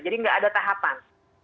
jadi nggak ada tahapan